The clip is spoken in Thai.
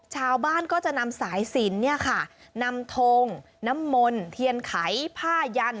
ชาวบ้านก็จะนำสายสินเนี่ยค่ะนำทงน้ำมนต์เทียนไขผ้ายัน